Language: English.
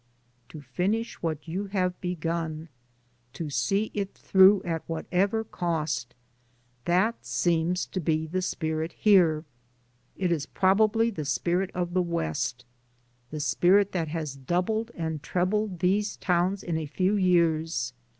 To finish what you have begun, to see it through at whatever cost, that seems to be the spirit here; it is probably the spirit of the West, the spirit that has doubled and trebled these towns in a few years.